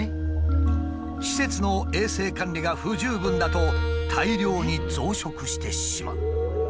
施設の衛生管理が不十分だと大量に増殖してしまう。